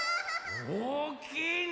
おおきいね！